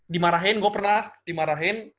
dimarahin gue pernah dimarahin